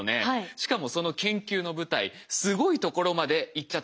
しかもその研究の舞台すごいところまで行っちゃっているんです。